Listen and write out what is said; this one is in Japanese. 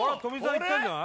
いったんじゃない？